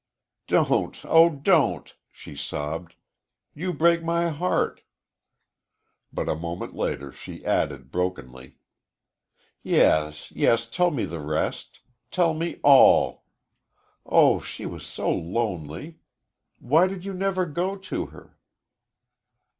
"Don't, oh, don't," she sobbed. "You break my heart!" But a moment later she added, brokenly, "Yes, yes tell me the rest. Tell me all. Oh, she was so lonely! Why did you never go to her?"